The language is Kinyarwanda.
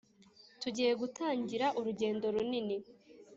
Tugiye gutangira urugendo runini